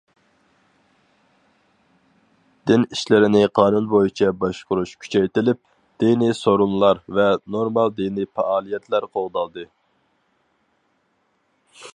دىن ئىشلىرىنى قانۇن بويىچە باشقۇرۇش كۈچەيتىلىپ، دىنىي سورۇنلار ۋە نورمال دىنىي پائالىيەتلەر قوغدالدى.